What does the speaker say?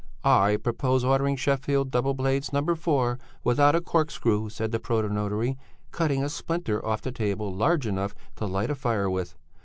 "'I propose ordering Sheffield doubleblades No. 4, without a corkscrew,' said the protonotary, cutting a splinter off the table large enough to light a fire with.